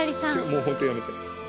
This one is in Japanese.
もう本当やめて。